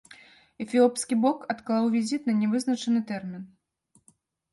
Эфіопскі бок адклаў візіт на нявызначаны тэрмін.